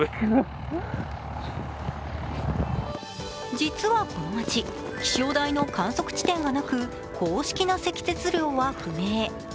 実はこの町、気象台の観測地点がなく公式な積雪量は不明。